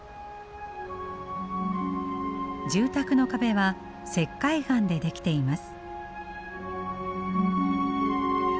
住宅の壁は石灰岩で出来ています。